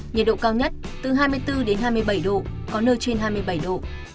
nhiệt độ cao nhất từ hai mươi bốn đến hai mươi bảy độ có nơi trên hai mươi bảy độ